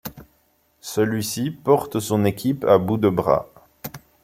Celui-ci porte son équipe à bout de bras.